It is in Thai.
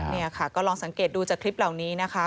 นี่ค่ะก็ลองสังเกตดูจากคลิปเหล่านี้นะคะ